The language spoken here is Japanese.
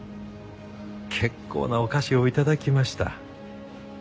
結構なお菓子を頂きました。